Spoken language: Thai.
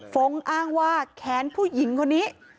ฟ้องอ้างว่าแค้นผู้หญิงคนนี้